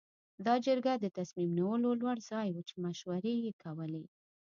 دا جرګه د تصمیم نیولو لوړ ځای و چې مشورې یې کولې.